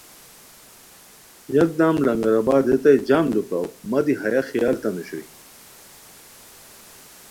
یکدم لنگر آباد ریتائے جم لو پراؤ مہ دی ہیہ خیال تان اوشوئے